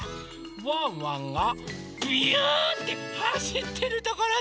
ワンワンがびゅってはしってるところです！